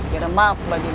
biar maaf bagi nek